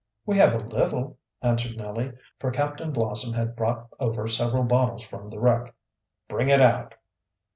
"We have a little," answered Nellie, for Captain Blossom had brought over several bottles from the wreck. "Bring it out."